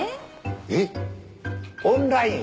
えっオンライン！？